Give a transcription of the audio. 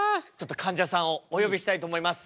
かんじゃさんをお呼びしたいと思います。